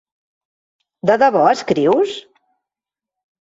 De debò escrius?